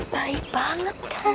baik banget kan